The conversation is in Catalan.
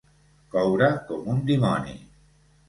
Coure com un dimoni.